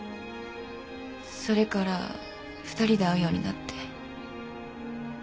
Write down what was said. それから２人で会うようになって。